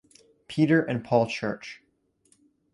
Peter and Paul Church.